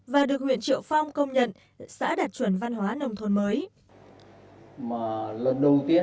và được huyện triệu phong công nhận xã đạt chuẩn văn hóa nông thôn mới